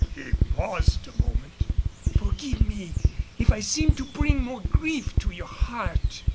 He paused a moment. "Forgive me if I seem to bring more grief to your heart.